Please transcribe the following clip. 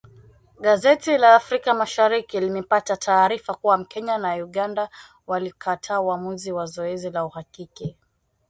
Gazeti la Afrika Mashariki limepata taarifa kuwa Kenya na Uganda walikataa uamuzi wa zoezi la uhakiki.